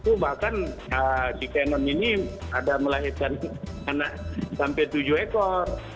itu bahkan si canon ini ada melahirkan anak sampai tujuh ekor